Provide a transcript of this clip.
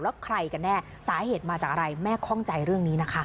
แล้วใครกันแน่สาเหตุมาจากอะไรแม่คล่องใจเรื่องนี้นะคะ